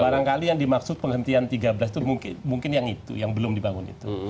barangkali yang dimaksud penghentian tiga belas itu mungkin yang itu yang belum dibangun itu